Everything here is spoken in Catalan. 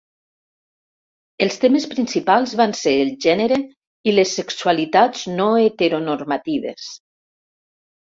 Els temes principals van ser el gènere i les sexualitats no heteronormatives.